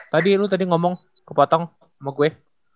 tadi lu tadi ngomong kepotong sama gue